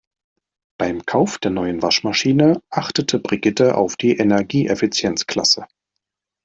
Beim Kauf der neuen Waschmaschine achtete Brigitte auf die Energieeffizienzklasse.